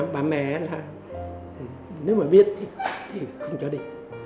bà mẹ là nếu mà biết thì không cho định